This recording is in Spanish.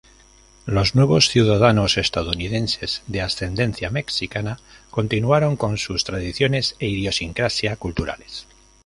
Los nuevos ciudadanos estadounidenses de ascendencia mexicana continuaron con sus tradiciones e idiosincrasia culturales.